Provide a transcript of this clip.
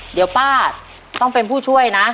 เดี๋ยวป้าต้องเป็นผู้ช่วยนะ